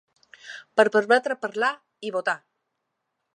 Per permetre parlar i votar!